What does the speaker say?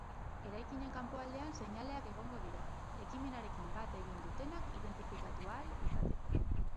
Eraikinen kanpoaldean seinaleak egongo dira, ekimenarekin bat egin dutenak identifikatu ahal izateko.